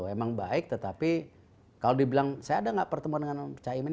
emang baik tetapi kalau dibilang saya ada nggak pertemuan dengan caimin